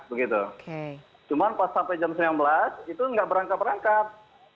cuman pas sampai jam sembilan belas itu nggak berangkat berangkat